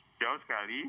ya jauh sekali